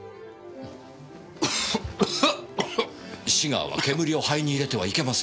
シガーは煙を肺に入れてはいけません。